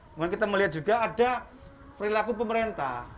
kemudian kita melihat juga ada perilaku pemerintah